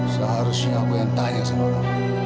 seharusnya aku yang tanya sama aku